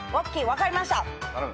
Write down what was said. ＯＫ分かりました。